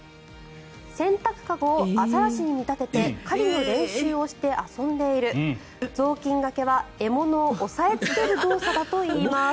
洗濯籠をアザラシに見立てて狩りの練習をして遊んでいる雑巾がけは獲物を押さえつける動作だといいます。